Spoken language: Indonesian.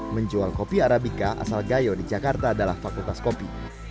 menjual kopi arabica asal gayo di jakarta adalah fakultas kopi